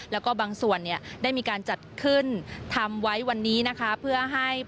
แล้วก็บางส่วนได้มีการจัดขึ้นทำไว้วันนี้